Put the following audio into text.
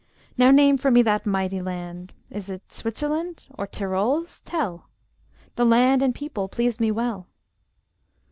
Now name for me that mighty land! Is it Switzerland? or Tyrols, tell; The land and people pleased me well!